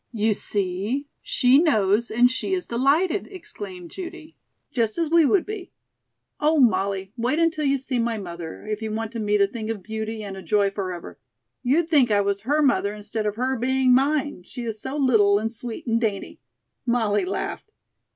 "You see, she knows and she is delighted," exclaimed Judy. "Just as we would be. Oh, Molly, wait until you see my mother, if you want to meet a thing of beauty and a joy forever. You'd think I was her mother instead of her being mine, she is so little and sweet and dainty." Molly laughed.